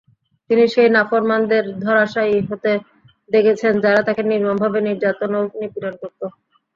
তিনি সেই নাফরমানদের ধরাশায়ী হতে দেখেছেন যারা তাঁকে নির্মম ভাবে নির্যাতন ও নিপীড়ন করত।